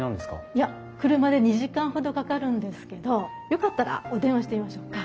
いや車で２時間ほどかかるんですけどよかったらお電話してみましょうか？